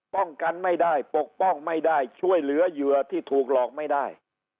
กันไม่ได้ปกป้องไม่ได้ช่วยเหลือเหยื่อที่ถูกหลอกไม่ได้